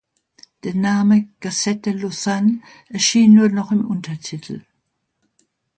Der Name "Gazette de Lausanne" erschien nur noch im Untertitel.